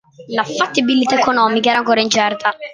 La fattibilità economica era ancora incerta.